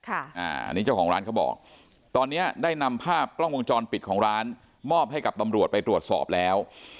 อันนี้เจ้าของร้านเขาบอกตอนนี้ได้นำภาพกล้องวงจรปิดของร้านมอบให้กับตำรวจไปตรวจสอบแล้ว